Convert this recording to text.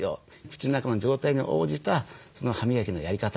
口の中の状態に応じた歯磨きのやり方